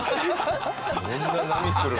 こんな波来るんだ。